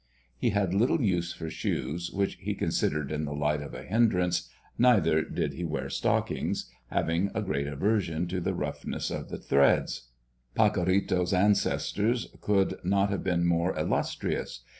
He had little use for shoes, which he considered in the light of a hindrance, neither did he wear stockings, having a great aversion to the roughness of the threads. Pacorrito's ancestors could not have been more illustrious.